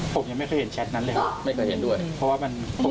ผมยังไม่เคยเห็นแชทนั้นเลยครับไม่เคยเห็นด้วยเพราะว่ามันผม